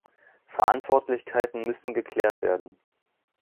Verantwortlichkeiten müssen geklärt werden.